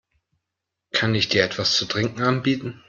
Kann ich dir etwas zu trinken anbieten?